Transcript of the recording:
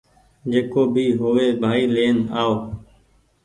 جڪو بي هووي ڀآئي لين آو